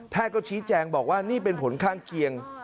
ก็ชี้แจงบอกว่านี่เป็นผลข้างเคียง